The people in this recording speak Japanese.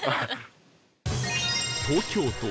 東京都